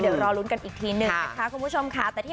เดี๋ยวรอรุ้นกันอีกทีหนึ่งค่ะคุณผู้ชมค่ะแต่ที่